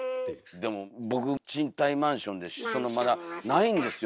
でも僕賃貸マンションですしそのまだないんですよ